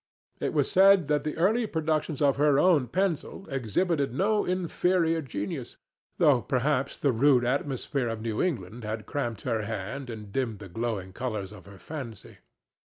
It was said that the early productions of her own pencil exhibited no inferior genius, though perhaps the rude atmosphere of New England had cramped her hand and dimmed the glowing colors of her fancy.